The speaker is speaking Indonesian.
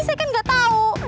saya kan gak tau